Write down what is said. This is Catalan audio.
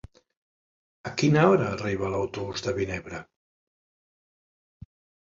A quina hora arriba l'autobús de Vinebre?